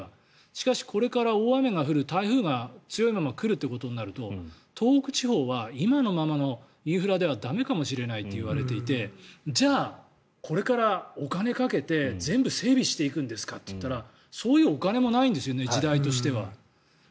しかしこれから大雨が降る台風が強いまま来るとなると東北地方は今のままのインフラでは駄目かもしれないといわれていてじゃあこれからお金をかけて全部整備していくんですかと言ったらそういうお金もないんですよね時代としては。